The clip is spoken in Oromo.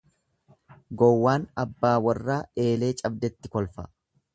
Gowwaan abbaa warraa, eelee cabdetti kolfa.